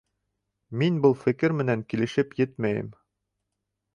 Мин был фекер менән килешеп етмәйем.